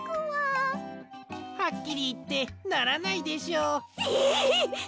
はっきりいってならないでしょう。え！？